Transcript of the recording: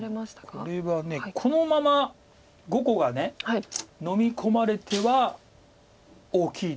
これはこのまま５個がのみ込まれては大きいですから。